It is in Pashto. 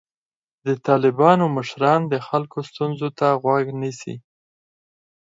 د طالبانو مشران د خلکو ستونزو ته غوږ نیسي.